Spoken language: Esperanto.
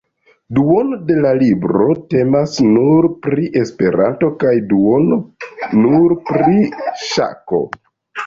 Duono de la libro temas nur pri Esperanto kaj duono nur pri ŝako.